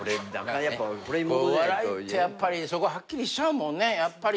お笑いってやっぱりそこはっきりしちゃうもんね。